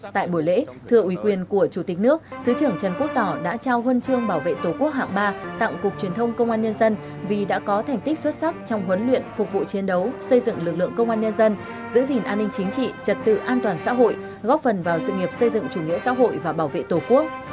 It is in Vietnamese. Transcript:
tại buổi lễ thưa uy quyền của chủ tịch nước thứ trưởng trần quốc tỏ đã trao huân chương bảo vệ tổ quốc hạng ba tặng cục truyền thông công an nhân dân vì đã có thành tích xuất sắc trong huấn luyện phục vụ chiến đấu xây dựng lực lượng công an nhân dân giữ gìn an ninh chính trị trật tự an toàn xã hội góp phần vào sự nghiệp xây dựng chủ nghĩa xã hội và bảo vệ tổ quốc